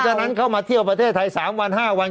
ฉะนั้นเข้ามาเที่ยวประเทศไทย๓วัน๕วัน